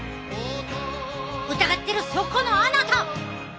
疑ってるそこのあなた！